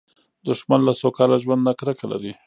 دښمن له سوکاله ژوند نه کرکه لري